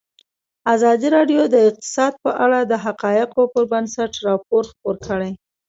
ازادي راډیو د اقتصاد په اړه د حقایقو پر بنسټ راپور خپور کړی.